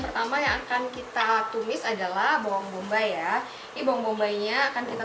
pertama yang akan kita tumis adalah bawang bombay ya ini bawang bombaynya akan kita